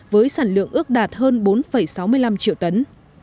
với sản lượng ước đạt hơn bốn sáu mươi năm triệu tấn